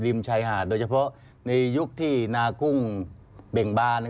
ชายหาดโดยเฉพาะในยุคที่นากุ้งเบ่งบาน